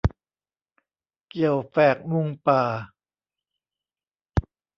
เกี่ยวแฝกมุงป่า